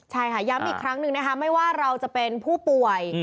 ใช่ค่ะย้ำอีกครั้งหนึ่งนะคะไม่ว่าเราจะเป็นผู้ป่วย